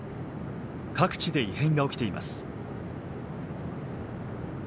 各地で異変が起きています。